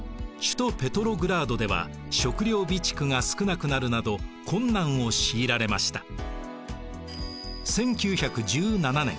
首都ペトログラードでは食糧備蓄が少なくなるなど困難を強いられました。